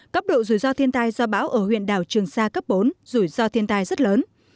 cấp độ rủi ro thiên tai do bão ở huyện đảo trường sa cấp bốn rủi ro thiên tai rất lớn